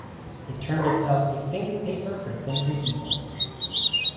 It termed itself "A Thinking Paper for Thinking People".